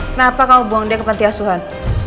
kenapa kamu buang dia ke pantai asuhan